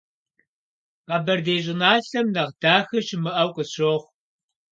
Къэбэрдей щӏыналъэм нэхъ дахэ щымыӏэу къысщохъу.